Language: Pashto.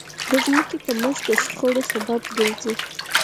د ځمکې کمښت د شخړو سبب ګرځي.